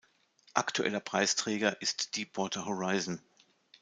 Aktueller Preisträger ist Deepwater Horizon.